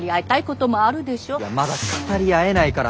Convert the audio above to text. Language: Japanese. まだ語り合えないから。